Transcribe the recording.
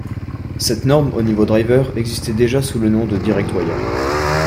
Cette norme au niveau driver existait déjà sous le nom de DirectWire.